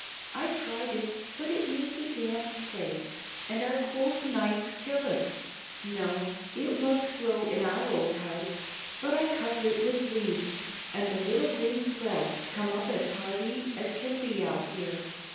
"I tried it, but it needs a damp place, and our cold nights kill it. No, it won't grow in our old house; but I cover it with leaves, and the little green sprouts come up as hearty as can be out here.